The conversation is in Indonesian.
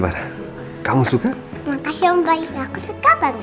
makasih om baik aku suka banget